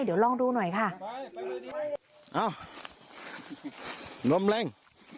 เดี๋ยวลองดูหน่อยค่ะอ้าวลมแรง